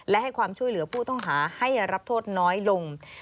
และให้ความช่วยเหลือผู้ต้องหาให้รับโทษน้อยลง